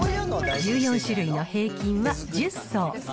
１４種類の平均は１０層。